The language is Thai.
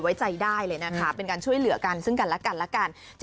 ไว้ใจได้เลยนะคะเป็นการช่วยเหลือกันซึ่งกันและกันละกัน